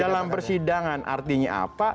dalam persidangan artinya apa